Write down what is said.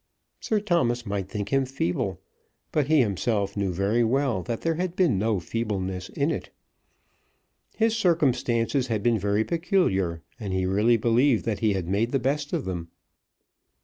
Sir Thomas might think him feeble; but he himself knew very well that there had been no feebleness in it. His circumstances had been very peculiar, and he really believed that he had made the best of them.